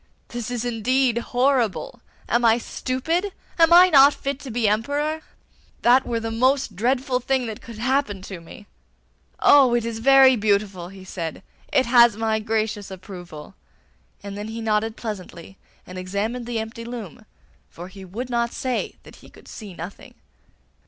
This is indeed horrible! Am I stupid? Am I not fit to be Emperor? That were the most dreadful thing that could happen to me. Oh, it is very beautiful,' he said. 'It has my gracious approval.' And then he nodded pleasantly, and examined the empty loom, for he would not say that he could see nothing.